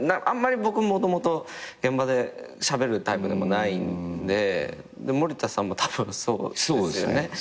あんまり僕もともと現場でしゃべるタイプでもないんで森田さんもたぶんそうですよね。